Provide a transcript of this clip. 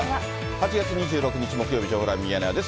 ８月２６日木曜日、情報ライブミヤネ屋です。